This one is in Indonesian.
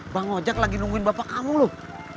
bang ojek lagi nungguin bapak kamu loh